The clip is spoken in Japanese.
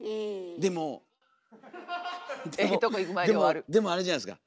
でもでもあれじゃないですか。